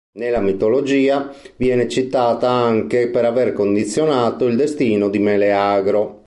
Nella mitologia viene citata anche per aver condizionato il destino di Meleagro.